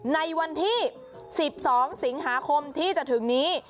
ในวันที่๑๒สิงหาคมที่จะถึงนี้